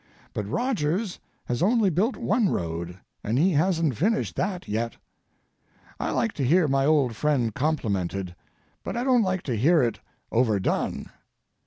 But Rogers has only built one road, and he hasn't finished that yet. I like to hear my old friend complimented, but I don't like to hear it overdone.